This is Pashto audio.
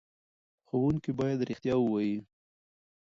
ښوونکي باید رښتیا ووايي.